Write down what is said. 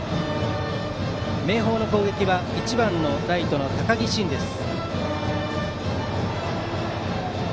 明豊の攻撃は１番のライト、高木真心から。